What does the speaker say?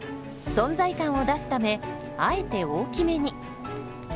存在感を出すためあえて大きめに。